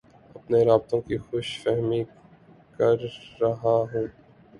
اپنے رابطوں کی خوش فہمی کررہا ہوں